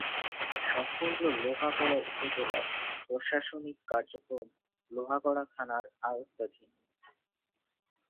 সম্পূর্ণ লোহাগাড়া উপজেলার প্রশাসনিক কার্যক্রম লোহাগাড়া থানার আওতাধীন।